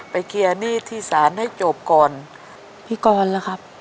เคลียร์หนี้ที่ศาลให้จบก่อนพี่กรล่ะครับ